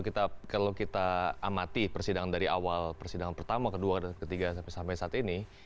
kalau kita amati persidangan dari awal persidangan pertama kedua dan ketiga sampai saat ini